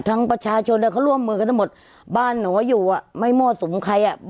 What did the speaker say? ทั้งประชาชนเนี้ยเขาร่วมมือกันทั้งหมดบ้านหนูอะอยู่อะไม่มอสุมใครอะ